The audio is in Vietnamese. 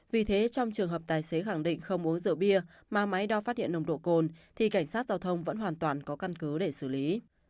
vì thế trong trường hợp tài xế khẳng định không uống rượu bia mà máy đo phát hiện nồng độ cồn thì cảnh sát giao thông vẫn hoàn toàn có căn cứ để xử lý